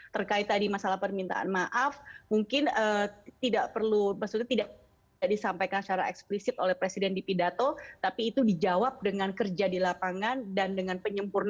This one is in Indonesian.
terkait tadi masalah permintaan maaf mungkin tidak perlu maksudnya tidak disampaikan secara eksplisit oleh presiden di pidato tapi itu dijawab dengan kerja di lapangan dan dengan penyempurnaan